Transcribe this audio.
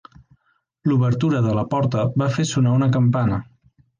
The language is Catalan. L'obertura de la porta va fer sonar una campana.